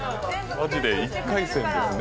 マジで１回戦ですね。